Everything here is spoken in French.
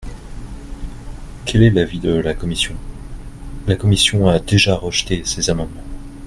Quel est l’avis de la commission ? La commission a déjà rejeté ces amendements.